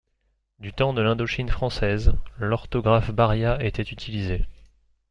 Du temps de l'Indochine française, l'orthographe Baria était utilisée.